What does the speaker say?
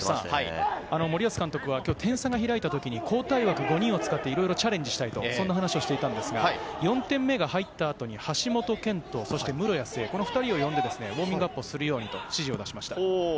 森保監督は点差が開いた時に交代枠５人を使っていろいろチャレンジしたいという話をしたんですが、４点目が入った後に橋本拳人、室屋成、この２人を呼んで、ウオーミングアップをするようにと指示を出しました。